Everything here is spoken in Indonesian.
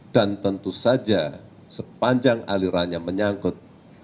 dan tentu saja sepanjang alirannya menyangkut